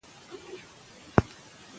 نفرت مه کوئ.